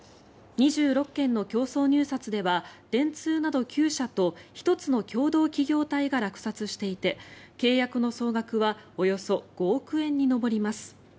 ２６件の競争入札では電通など９社と１つの共同企業体が落札していて契約の総額はおよそ５億円に上ります。